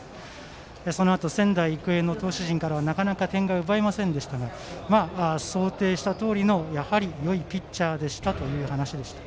そのあと仙台育英の投手陣からはなかなか点が奪えませんでしたが想定したとおりのよいピッチャーでしたという話でした。